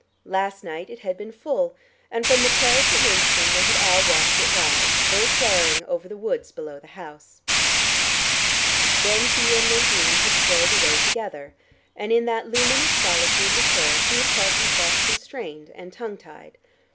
Last night it had been full, and from the terrace at Winston they had all watched it rise, full flaring, over the woods below the house. Then he and Nadine had strolled away together, and in that luminous solitude with her, he had felt himself constrained and tongue tied.